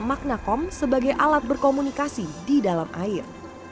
makna kom sebagai alat berkomunikasi di dalam air